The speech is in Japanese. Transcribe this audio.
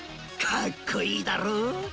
かっこいいだろう！